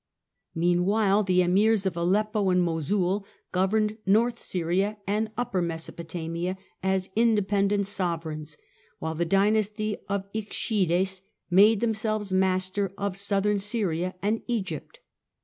Meanwhile the Emirs of Aleppo and Mosul governed North Syria and Upper Mesopotamia as independent sovereigns, while the dynasty of the Ikshides made themselves masters of Southern Syria and Egypt.